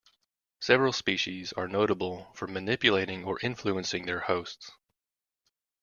Several species are notable for manipulating or influencing their hosts.